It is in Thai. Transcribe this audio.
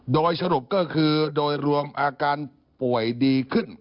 โดยสรุปก็คือโดยรวมอาการป่วยดีขึ้น